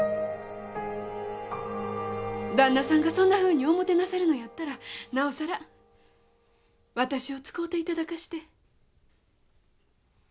旦那さんがそんなふうに思うてなさるのやったらなおさら私を使うて頂かして。